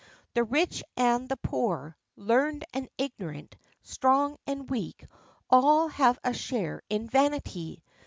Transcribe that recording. The rich and the poor, learned and ignorant, strong and weak,—all have a share in vanity.